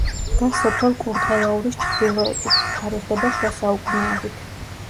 დგას სოფელ კურდღელაურის ჩრდილოეთით, თარიღდება შუა საუკუნეებით.